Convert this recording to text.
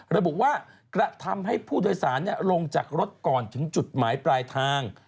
ระบุว่ากระทำให้ผู้โดยสารลงจากรถก่อนถึงจุดหมายปลายทาง